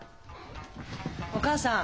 お母さん。